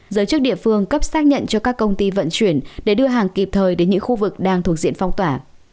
giới chức địa phương cấp xác nhận cho các công ty vận chuyển để đưa hàng kịp thời đến những khu vực đang thuộc diện phong tỏa